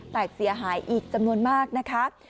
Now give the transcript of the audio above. แต่เสียหายอีกจำนวนมากนะคะ